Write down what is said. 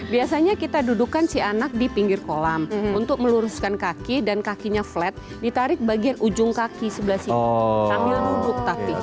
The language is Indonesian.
biasanya kita dudukan si anak di pinggir kolam untuk meluruskan kaki dan kakinya flat ditarik bagian ujung kaki sebelah sini sambil duduk tapi